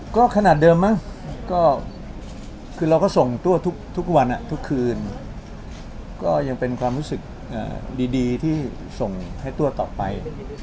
ก็ขนาดเดิมมั้งก็คือเราก็ส่งตัวทุกวันทุกคืนก็ยังเป็นความรู้สึกดีที่ส่งให้ตัวต่อไป